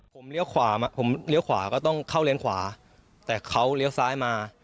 ผมเลี้ยวขวาก็ต้องเข้าเรียนขวาแต่เขาเลี้ยวซ้ายมา